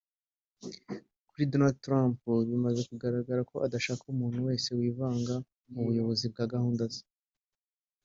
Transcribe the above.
Kuri Donald Trump bimaze kugaragara ko adashaka umuntu wese wivanga mubuyobozi bwa gahunda ze